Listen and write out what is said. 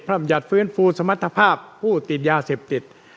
รำยัติฟื้นฟูสมรรถภาพผู้ติดยาเสพติด